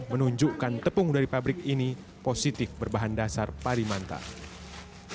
menunjukkan tepung dari pabrik ini positif berbahan dasar parimantan